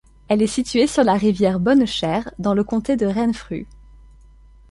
Elle est située sur la rivière Bonnechère dans le comté de Renfrew.